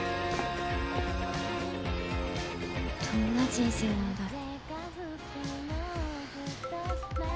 どんな人生なんだろ。